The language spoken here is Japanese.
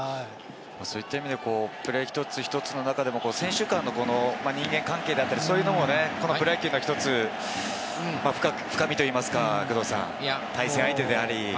そういった意味でプレー、一つ一つの中でも選手間の人間関係であったり、そういうのもね、プロ野球の１つ、深みといいますか、対戦相手であり。